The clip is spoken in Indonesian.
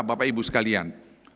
bapak ibu sekalian